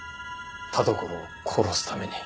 田所を殺すために。